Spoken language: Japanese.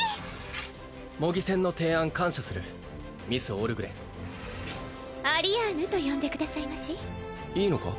模擬戦の提案感謝するミスオルグレンアリアーヌと呼んでくださいましいいのか？